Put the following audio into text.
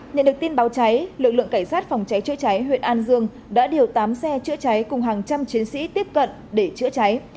nhận được tin báo cháy lực lượng cảnh sát phòng cháy chữa cháy huyện an dương đã điều tám xe chữa cháy cùng hàng trăm chiến sĩ tiếp cận để chữa cháy